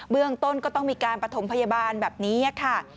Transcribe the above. เรื่องต้นก็ต้องมีการประถมพยาบาลแบบนี้ค่ะ